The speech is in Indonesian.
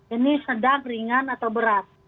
ini sedang ringan atau berat